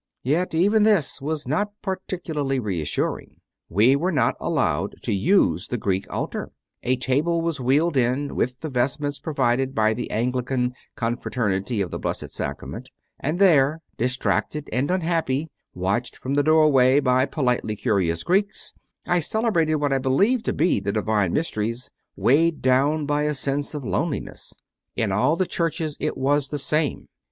Yet even this was not particularly reassuring. We were not allowed to use the Greek altar; a table was wheeled in, with the vestments provided by the Anglican "Confraternity of the Blessed Sacrament"; and there, distracted and unhappy, watched from the doorway by politely curious Greeks, I celebrated what I believed to be the divine mysteries, weighted down by a sense of loneliness. In all the churches it was the same.